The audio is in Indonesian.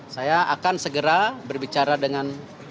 saya akan segera berbicara dengan